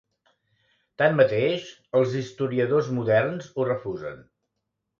Tanmateix, els historiadors moderns ho refusen.